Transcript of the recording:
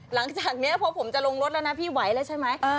หลังจากนี้พอผมจะลงรถแล้วนะพี่ไหวแล้วใช่ไหม